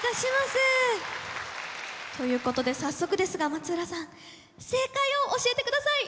ということで早速ですが松浦さん正解を教えてください。